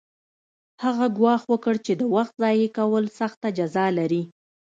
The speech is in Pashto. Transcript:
هغه ګواښ وکړ چې د وخت ضایع کول سخته جزا لري